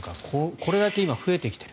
これだけ今、増えてきている。